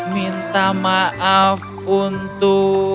minta maaf untuk